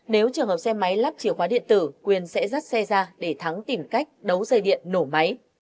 nếu trường hợp xe máy lắp chìa khóa điện tử quyền sẽ dắt xe ra để thắng tìm cách đấu dây điện nổ máy